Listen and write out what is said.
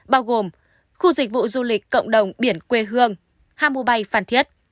bao gồm khu dịch vụ du lịch cộng đồng biển quê hương hamu bay phan thiết